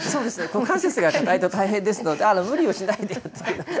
股関節が硬いと大変ですので無理をしないで。